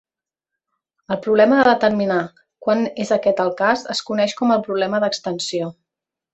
El problema de determinar quan és aquest el cas es coneix com el problema d'extensió.